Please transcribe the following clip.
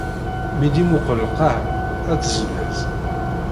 Mi d-imuqqel lqaɛa, ad tezlez.